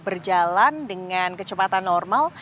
berjalan dengan kecepatan normal